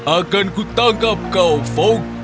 akanku tangkap kau fogg